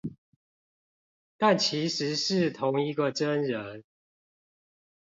但其實是同一個真人